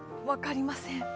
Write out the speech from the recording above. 分かりません。